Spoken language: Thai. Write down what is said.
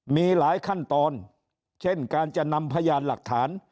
มีหลายขั้นตอนเช่นการจะนำพยานหลักฐาน